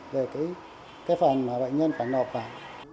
về cái phần mà bệnh nhân phải nộp vào